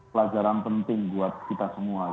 pelajaran penting buat kita semua